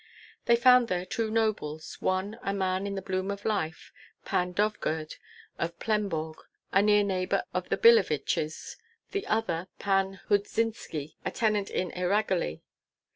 They found there two nobles, one, a man in the bloom of life, Pan Dovgird of Plemborg, a near neighbor of the Billeviches; the other, Pan Hudzynski, a tenant in Eyragoly.